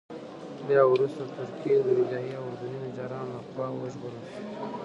بیا وروسته د تركي، اندونيزيايي او اردني نجارانو له خوا ورغول شو.